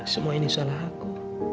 semua ini salah aku